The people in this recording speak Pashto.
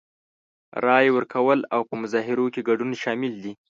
رای ورکول او په مظاهرو کې ګډون شامل دي.